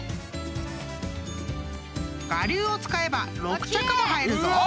［我流を使えば６着も入るぞ！］